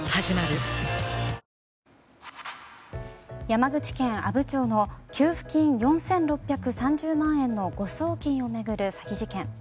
山口県阿武町の給付金４６３０万円の誤送金を巡る詐欺事件。